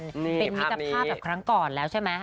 นี่ภาพนี้เป็นมิตรภาพแบบครั้งก่อนแล้วใช่ไหม